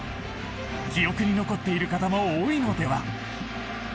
記憶に残っている方も多いのでは。